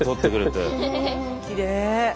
きれい！